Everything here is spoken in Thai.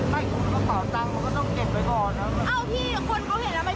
ไม่มันต้องเก็บไปก่อนนะเอ้าพี่คนเขาเห็นทำไมพี่ไม่ให้คนแถวนั้น